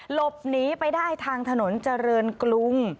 หลบหนีไปได้ทางถนนเจริญกรุง